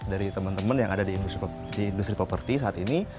dari teman teman yang ada di industri properti saat ini